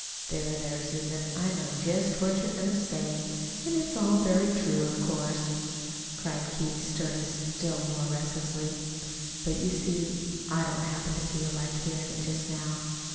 "There, there, Susan, I know just what you're going to say, and it's all very true, of course," cried Keith, stirring still more restlessly. "But you see T don't happen to feel like hearing it just now.